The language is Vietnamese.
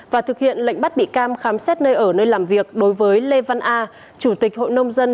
và thực hiện lệnh bắt bị can khám xét nơi ở nơi làm việc đối với lê văn a chủ tịch hội nông dân